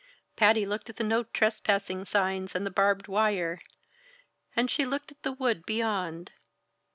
Patty looked at the "No Trespassing" signs and the barbed wire, and she looked at the wood beyond.